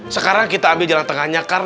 sekarang kita ambil jalan tengahnya kar